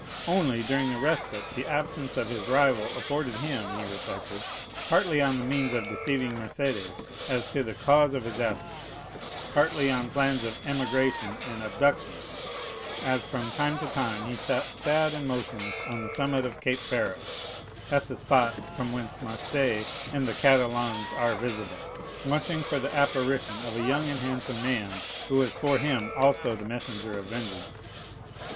Only, during the respite the absence of his rival afforded him, he reflected, partly on the means of deceiving Mercédès as to the cause of his absence, partly on plans of emigration and abduction, as from time to time he sat sad and motionless on the summit of Cape Pharo, at the spot from whence Marseilles and the Catalans are visible, watching for the apparition of a young and handsome man, who was for him also the messenger of vengeance.